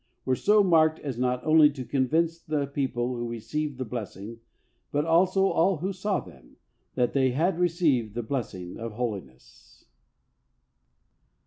were so marked as not only to convince the people who received the blessing, but also all who saw them, that they had received the blessing of holiness.